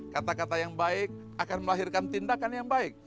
kata kata yang baik akan melahirkan tindakan yang baik